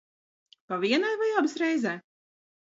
Pa vienai vai abas reizē?